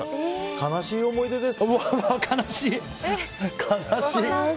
悲しい思い出です。